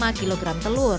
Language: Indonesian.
dan juga empat butir telur